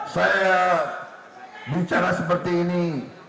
saya bicara seperti ini